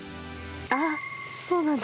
「ああそうなんだ」。